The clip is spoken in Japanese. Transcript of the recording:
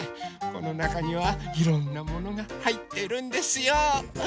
このなかにはいろんなものがはいってるんですよ。